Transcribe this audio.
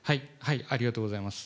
ありがとうございます。